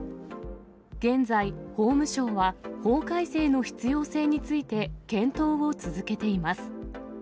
現在、法務省は、法改正の必要性について検討を続けています。